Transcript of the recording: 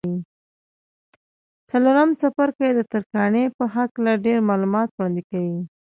څلورم څپرکی د ترکاڼۍ په هکله ډېر معلومات وړاندې کوي.